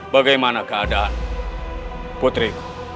bagaimana keadaan putri